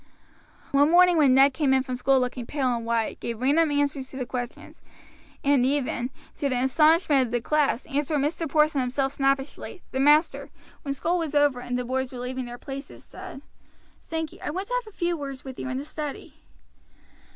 One morning when Ned came in from school looking pale and white, gave random answers to questions, and even, to the astonishment of the class, answered Mr. Porson himself snappishly, the master, when school was over and the boys were leaving their places, said: "Sankey, I want to have a few words with you in the study."